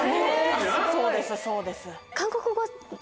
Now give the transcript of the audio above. そうですそうです。